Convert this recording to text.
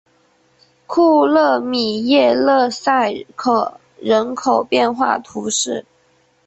库勒米耶勒塞克人口变化图示